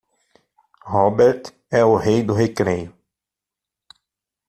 Robert é o rei do recreio.